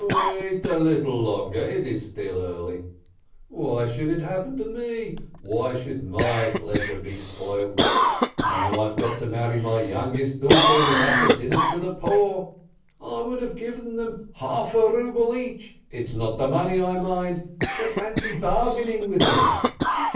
"Wait a little longer. It is still early. Why should it happen to me, why should my pleasure be spoilt? Now I've got to marry my youngest daughter without a dinner to the poor! I would have given them half a ruble each, it's not the money I mind, but fancy bargaining with me!